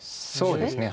そうですね。